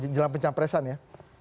jelang pencampresan ya